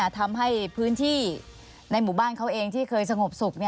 ทำให้พื้นที่ในหมู่บ้านเขาเองที่เคยสงบสุข